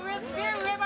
上ば。